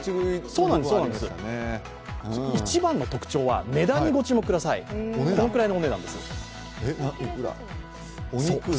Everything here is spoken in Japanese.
一番の特徴は値段にご注目ください、このくらいのお値段です。